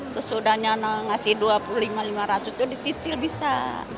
sesudahnya ngasih rp dua puluh lima lima ratus itu dicicil bisa